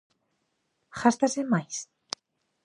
¿Gástase máis?